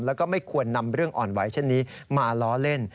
แล้วก็ไม่ควรนำเรื่องอ่อนไหวเช่นนี้มาล้อเล่น